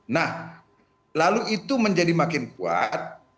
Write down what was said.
nah lalu itu menjadi makin kuat